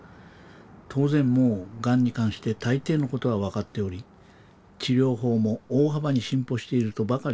当然もうがんに関して大抵のことは分かっており治療法も大幅に進歩しているとばかり思っていました。